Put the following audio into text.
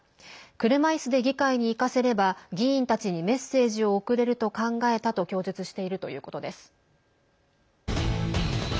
車いすで議会に行かせれば議員たちにメッセージを送れると考えたと供述しているということです。